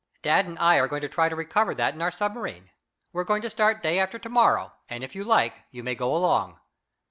Dad and I are going to try to recover that in our submarine. We're going to start day after to morrow, and, if you like, you may go along."